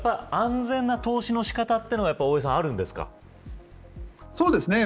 安全な投資の仕方というのが大江さん、あるんですか。